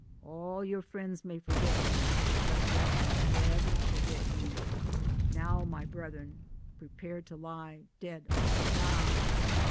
All your frien's may forget you, but Deff '11 nebber forget you. Now, my bredren, prepare to lie ded a de dah